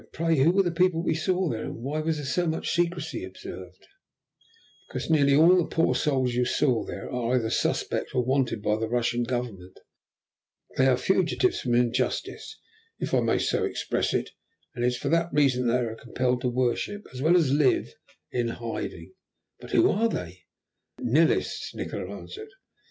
"Pray who were the people we saw there? And why was so much secrecy observed?" "Because nearly all the poor souls you saw there are either suspected or wanted by the Russian Government. They are fugitives from injustice, if I may so express it, and it is for that reason that they are compelled to worship, as well as live, in hiding." "But who are they?" "Nihilists," Nikola answered.